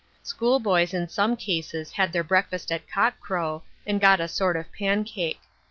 School boys in some cases had their breakfast at cock crow, and g»>t a sort of pancake.